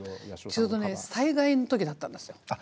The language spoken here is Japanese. ちょうどね災害の時だったんですよ。